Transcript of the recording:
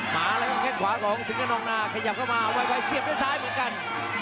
หมาแล้วกับแข้งขวาของสิงค์กะนองน่ากลับเข้ามาไวไฟเสียบด้านซ้ายเหมือนกัน